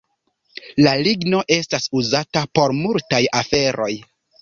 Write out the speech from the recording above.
La ligno estas uzata por multaj aferoj.